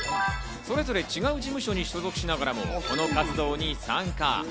それぞれ違う事務所に所属しながらもこの活動に参加。